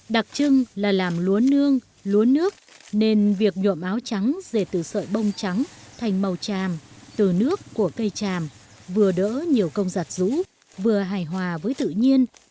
đặc trưng là làm lúa nương lúa nước nên việc nhuộm áo trắng dề từ sợi bông trắng thành màu tràm từ nước của cây tràm vừa đỡ nhiều công giặt rũ vừa hài hòa với tự nhiên